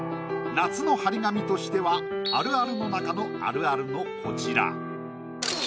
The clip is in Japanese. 夏の貼り紙としてはあるあるの中のあるあるのこちら。